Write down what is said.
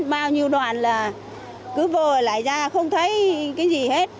bao nhiêu đoàn là cứ vờ lại ra không thấy cái gì hết